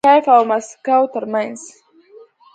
د کیف او مسکو ترمنځ